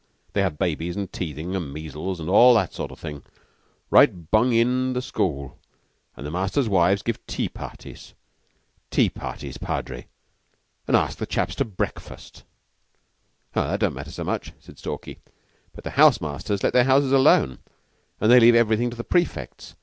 They have babies and teething and measles and all that sort of thing right bung in the school; and the masters' wives give tea parties tea parties, Padre! and ask the chaps to breakfast." "That don't matter so much," said Stalky. "But the house masters let their houses alone, and they leave everything to the prefects.